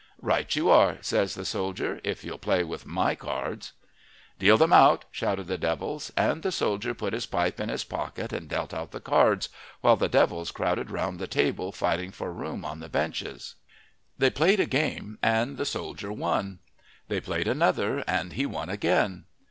"Right you are," says the soldier, "if you'll play with my cards." "Deal them out," shouted the devils, and the soldier put his pipe in his pocket and dealt out the cards, while the devils crowded round the table fighting for room on the benches. They played a game and the soldier won. They played another and he won again.